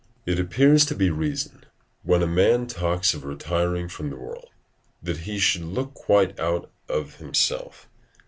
i. 23.] It appears to be reason, when a man talks of retiring from the world, that he should look quite out of [for] himself.